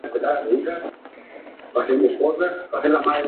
Ella preparaba y vendía algunos alimentos para sostener su producción.